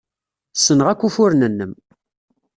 Ssneɣ akk ufuren-nnem.